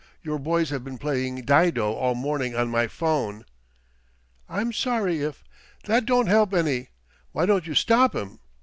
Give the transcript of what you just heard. Your boys have been playing dido all morning on my 'phone." "I'm sorry if " "That don't help any. Why don't you stop 'em?